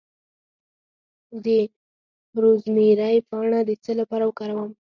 د روزمیری پاڼې د څه لپاره وکاروم؟